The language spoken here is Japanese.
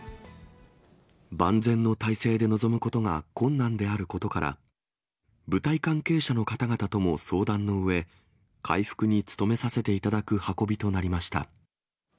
万全の態勢で臨むことが困難であることから、舞台関係者の方々とも相談のうえ、回復に努めさせていただく運びとなりました。